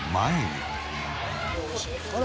あれ？